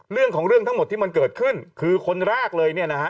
เรื่องของเรื่องทั้งหมดที่มันเกิดขึ้นคือคนแรกเลยเนี่ยนะฮะ